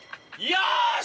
よし！